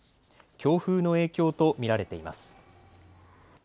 強風の影響と見られています。